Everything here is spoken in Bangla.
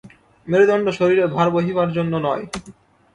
মেরুদণ্ড শরীরের ভার বহিবার জন্য নয়।